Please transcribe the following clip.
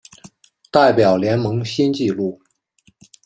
代表联盟新纪录